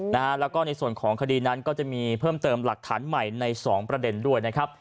แล้วก็ในส่วนของคดีนั้นก็จะมีเพิ่มเติมหลักฐานใหม่ในสองประเด็นด้วยนะครับ